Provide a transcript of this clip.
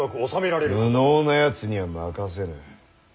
無能なやつには任せぬ。